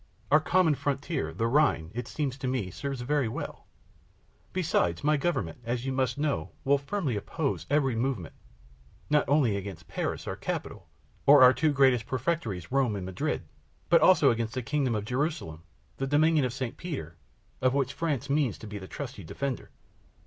Our common frontier, the Rhine, it seems to me, serves very well. Besides, my government, as you must know, will firmly oppose every movement, not only against Paris, our capital, or our two great prefectures, Rome and Madrid, but also against the kingdom of Jerusalem, the dominion of Saint Peter, of which France means to be the trusty defender."